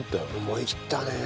思い切ったね。